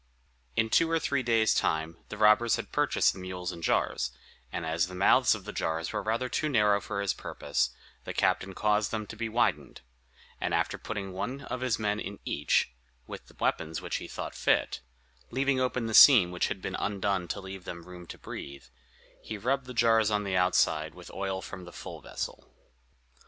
In two or three days' time the robbers had purchased the mules and jars, and as the mouths of the jars were rather too narrow for his purpose, the captain caused them to be widened; and after having put one of his men into each, with the weapons which he thought fit, leaving open the seam which had been undone to leave them room to breathe, he rubbed the jars on the outside with oil from the full vessel.